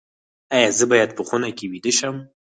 ایا زه باید په خونه کې ویده شم؟